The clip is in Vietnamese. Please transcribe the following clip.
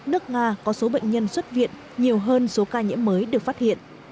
nước nga có số bệnh nhân xuất viện nhiều hơn số ca nhiễm mới được phát hiện